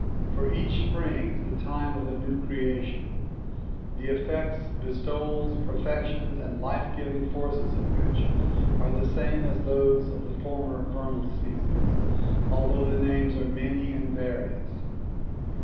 For each spring is the time of a new creation, the effects, bestowals, perfections and life giv ing forces of which are the same as those of the former vernal seasons although the names are many and various.